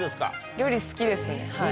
料理好きですねはい。